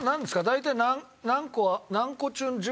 大体何個。